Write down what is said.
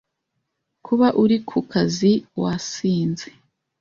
Kuba uri ku ku kazi wasinze